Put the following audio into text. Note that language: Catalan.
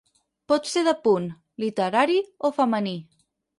Pot ser de punt, literari o femení.